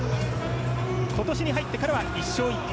今年に入ってからは１勝１敗。